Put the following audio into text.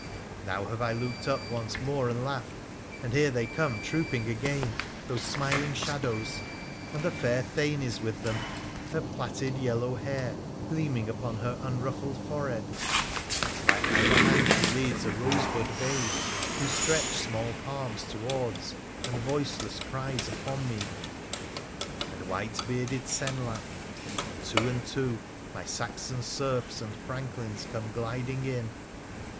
Now have I looked up once more and laughed, and here they come trooping again, those smiling shadows, and the fair Thane is with them, her plaited yellow hair gleaming upon her unruffled forehead ; and by either hand she leads a rose bud babe, who stretch small palms towards and voiceless cries upon me ; and white bearded Senlac ; and, two and two, my Saxon serfs acd franklins come gliding in.